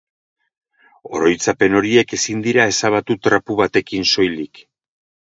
Oroitzapen horiek ezin dira ezabatu trapu batekin soilik.